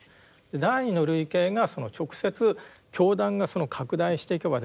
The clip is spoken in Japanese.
第二の類型がその直接教団が拡大していけばですね